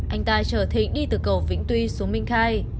anh tài trở thịnh đi từ cầu vĩnh tuy xuống minh khai